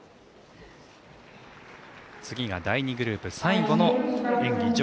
次が第２グループ最後の演技